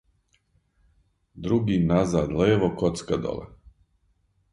други назад лево коцка доле